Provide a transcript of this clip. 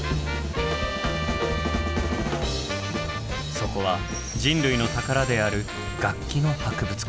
そこは人類の宝である楽器の博物館。